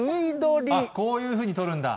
こういうふうに撮るんだ。